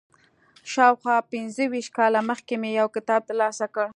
شاوخوا پنځه ویشت کاله مخکې مې یو کتاب تر لاسه کړ.